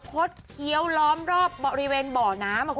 คดเขียวล้อมรอบบ่อน้ำ